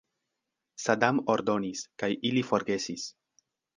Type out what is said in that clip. Sadam ordonis, kaj ili forgesis.